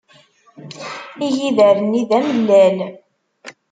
Igider-nni d amellal.